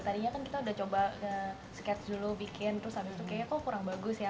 tadinya kan kita udah coba ke sketch dulu bikin terus habis itu kayaknya kok kurang bagus ya